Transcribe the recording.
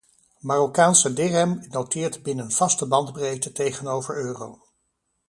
Marokkaanse dirham noteert binnen vaste bandbreedte tegenover euro.